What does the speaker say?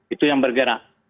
itu yang bergerak